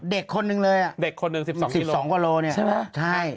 เด็กคนหนึ่งเลยอ่ะเด็กคนหนึ่ง๑๒๑๒กว่าโลเนี่ยใช่ไหมใช่